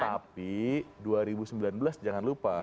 tapi dua ribu sembilan belas jangan lupa